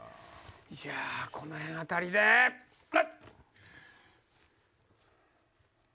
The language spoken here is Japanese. じゃあこの辺あたりでプッ！